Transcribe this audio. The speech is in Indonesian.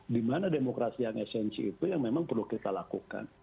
dimana demokrasi yang esensi itu yang memang perlu kita lakukan